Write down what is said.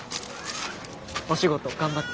お仕事頑張って。